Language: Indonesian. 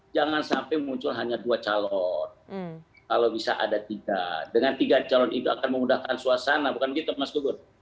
jangan sampai muncul hanya dua calon kalau bisa ada tiga dengan tiga calon itu akan memudahkan suasana bukan begitu mas gugur